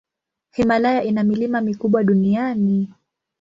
Himalaya ina milima mikubwa duniani.